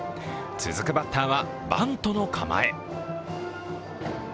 続くバッターは、バントの構え。